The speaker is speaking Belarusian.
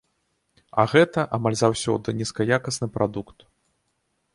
А гэта, амаль заўсёды, нізкаякасны прадукт.